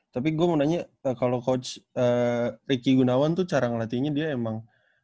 tapi gue mau nanya kalau coach ricky gunawan tuh cara ngelatihnya dia emang